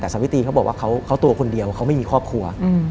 แต่สวิตีเขาบอกว่าเขาตัวคนเดียวเขาไม่มีครอบครัว